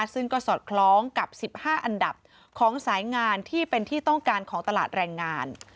ซึ่งก็สอดคล้องกับ๑๕อันดับของสายงานที่เป็นที่ต้องการของตลาดแรงงาน